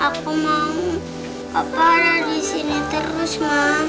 aku mau papa ada disini terus ma